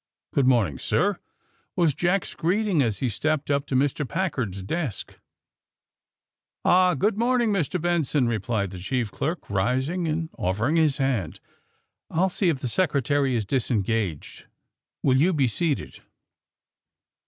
''Good morning, sir," was Jack's greeting, as he stepped up to Mr. Packard's desk. *' Ah, good morning, Mr. Benson," replied the chief clerk, rising and offering his hand. ''I'll see if the Secretary is disengaged. Will you be seated!"